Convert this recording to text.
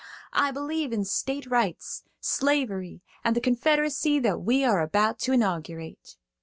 I believe in state rights, slavery, and the Confederacy that we are about to inaugurate.